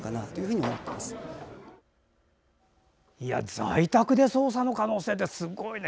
在宅で操作の可能性ってすごいね。